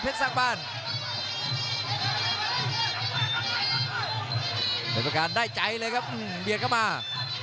เป็นประการได้ใจเลยครับเบียดเข้ามา